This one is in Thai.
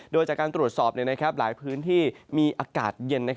โดยจากการตรวจสอบหลายพื้นที่มีอากาศเย็น